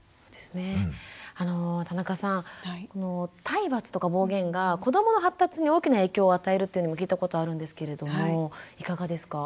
体罰とか暴言が子どもの発達に大きな影響を与えるっていうのも聞いたことあるんですけれどもいかがですか？